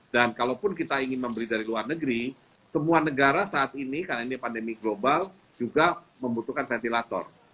dan kalaupun kita ingin memberi dari luar negeri semua negara saat ini karena ini pandemi global juga membutuhkan ventilator